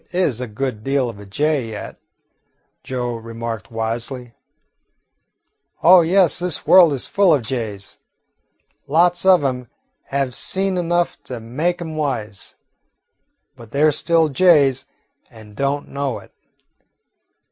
"Kit is a good deal of a jay yet," Joe remarked wisely. "Oh, yes, this world is full of jays. Lots of 'em have seen enough to make 'em wise, but they 're still jays, and don't know it.